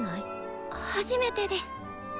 初めてです。